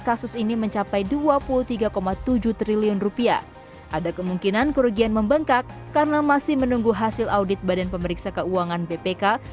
kemungkinan kerugian membengkak karena masih menunggu hasil audit badan pemeriksa keuangan bpk